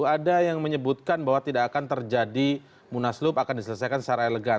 ada yang menyebutkan bahwa tidak akan terjadi munaslup akan diselesaikan secara elegan